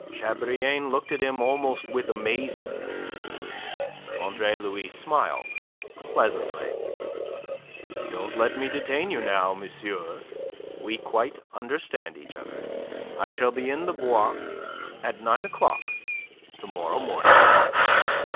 Chabrillane looked at him almost with amazement. Andre Louis smiled pleasantly. "Don't let me detain you now, monsieur. We quite understand each other. I shall be in the Bois at nine o'clock to morrow morning."